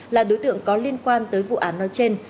là đối tượng có liên quan tới vụ án nói trên